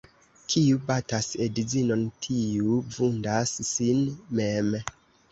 Kiu batas edzinon, tiu vundas sin mem.